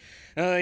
あ。